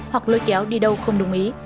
hoặc lôi kéo đi đâu không đúng ý